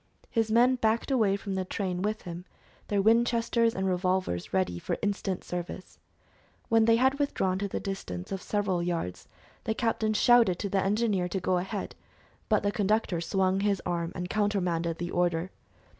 His men backed away from the train with him, their Winchesters and revolvers ready for instant service. When they had withdrawn to the distance of several yards, the captain shouted to the engineer to go ahead, but the conductor swung his arm and countermanded the order.